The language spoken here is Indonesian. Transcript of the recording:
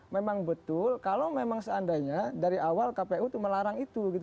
memang betul kalau memang seandainya dari awal kpu itu melarang itu gitu